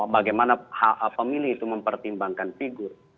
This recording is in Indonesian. bagaimana hak hak pemilih itu mempertimbangkan figur